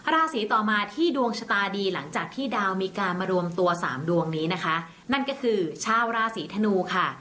ราศีต่อมาที่ดวงชะตาดีหลังจากที่ดาวมีการมารวมตัวสามดวงนี้นะคะนั่นก็คือชาวราศีธนูค่ะ